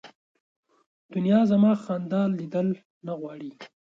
دنیا زما خندا لیدل نه غواړي